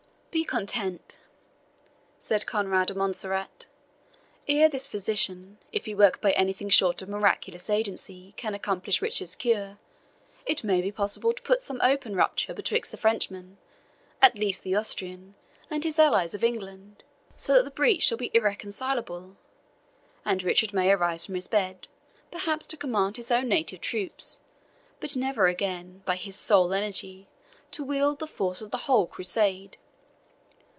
"Be content," said Conrade of Montserrat; "ere this physician, if he work by anything short of miraculous agency, can accomplish Richard's cure, it may be possible to put some open rupture betwixt the Frenchman at least the Austrian and his allies of England, so that the breach shall be irreconcilable; and Richard may arise from his bed, perhaps to command his own native troops, but never again, by his sole energy, to wield the force of the whole Crusade."